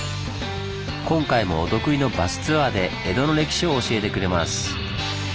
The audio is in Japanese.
今回もお得意のバスツアーで江戸の歴史を教えてくれます。